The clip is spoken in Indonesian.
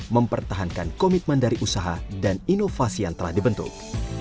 mempertahankan komitmen dari usaha dan inovasi yang telah dibentuk